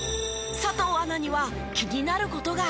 佐藤アナには気になる事が。